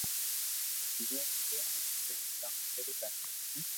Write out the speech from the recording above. جئين ليو ھمي ڪاو سھي لاگي منو